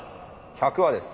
１００羽です。